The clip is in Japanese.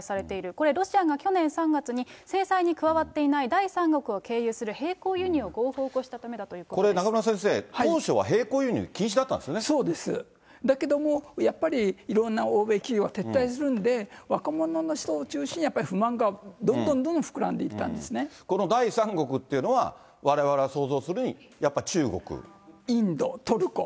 これ、ロシアが去年３月に、制裁に加わっていない第三国を経由する並行輸入を合法化したためこれ、中村先生、当初は並行そうです、だけども、やっぱりいろんな欧米企業が撤退するんで、若者の人を中心に、やっぱり不満がどんどんどんどん膨らんでいっこの第三国というのは、われわれが想像するに、やっぱり中国？